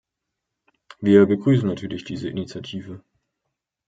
Wir begrüßen natürlich diese Initiative.